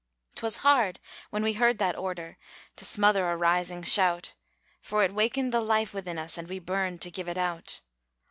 'Twas hard when we heard that order To smother a rising shout; For it wakened the life within us, And we burned to give it out.